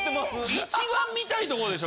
一番見たいとこでしょ。